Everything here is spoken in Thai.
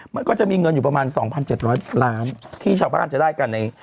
มันก็จะมีเงินอยู่ประมาณ๒๗๐๐ล้านที่ชาวบ้านจะได้กันใน